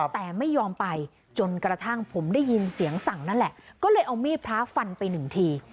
แต่ไม่ยอมไปจนกระทั่งผมได้ยินเสียงสั่งนั่นแหละก็เลยเอามีดพระฟันไปหนึ่งที